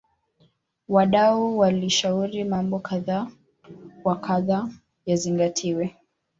wadau walishauri mambo kadha wa kadha yazingatiwe